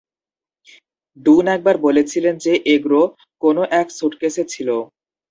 Dune একবার বলেছিলেন যে, এগ্রো 'কোন এক স্যুটকেসে' ছিল।